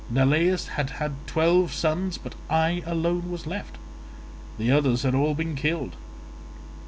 Neleus had had twelve sons, but I alone was left; the others had all been killed.